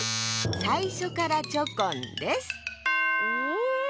さいしょからチョコンです。え？